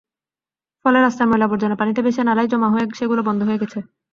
ফলে রাস্তার ময়লা-আবর্জনা পানিতে ভেসে নালায় জমা হয়ে সেগুলো বন্ধ হয়ে গেছে।